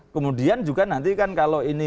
kemudian juga nanti kan kalau ini